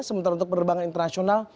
sementara untuk penerbangan internasional